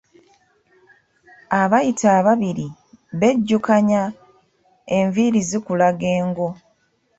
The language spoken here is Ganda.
Abayita ababiri bejjukanya, enviiri zikulaga engo.